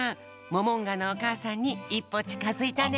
モモンガのおかあさんに１ぽちかづいたね。